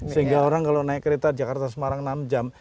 sehingga orang kalau naik kereta jakarta semarang enam jam